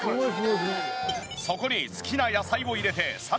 そこに好きな野菜を入れてさらに３分。